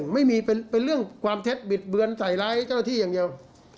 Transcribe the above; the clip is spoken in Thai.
ไม่มีเป็นคำถ่ายเป็นเรื่องความเท็จวิดเบือนสายร้ายเจ้าหน้าที่อย่างเงียว